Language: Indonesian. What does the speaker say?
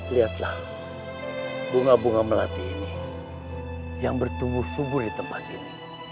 lihatlah bunga bunga melati ini yang bertumbuh subur di tempat ini